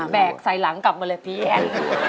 กใส่หลังกลับมาเลยพี่แอน